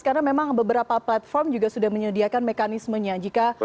karena memang beberapa platform juga sudah menyediakan mekanismenya